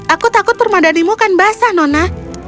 aku takut permadanimu kan basah nona